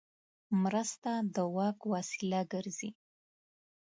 مرسته د واک وسیله ګرځي.